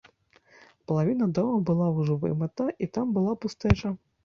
Палавіна дома была ўжо вымыта, і там была пустэча.